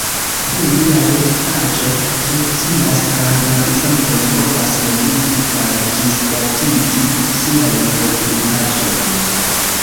Dume la retpaĝo funkcias kaj la uzantoj povas modifi kaj ĝisdatigi siajn profilpaĝojn.